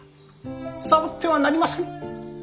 触ってはなりませぬ。